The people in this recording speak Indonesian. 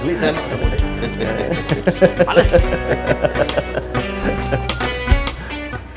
beli saya mau ketemu